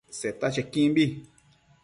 Seta chequimbi